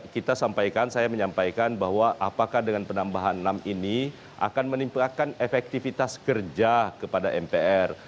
kita sampaikan saya menyampaikan bahwa apakah dengan penambahan enam ini akan menimbulkan efektivitas kerja kepada mpr